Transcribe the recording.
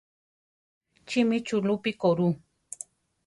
Chimi chulúpi koru?